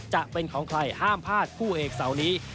จะเป็นของใครห้ามพลาดคู่เอกเสาร์นี้